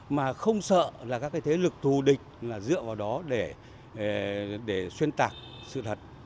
mà không sợ là các cái thế lực thù địch là dựa vào đó để xuyên tạc sự thật